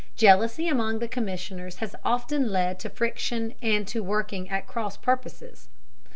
Jealousy among the commissioners has often led to friction and to working at cross purposes.